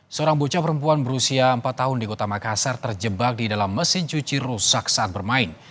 seorang bocah perempuan berusia empat tahun di kota makassar terjebak di dalam mesin cuci rusak saat bermain